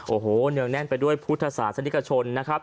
โอ้โหเนืองแน่นไปด้วยพุทธศาสนิกชนนะครับ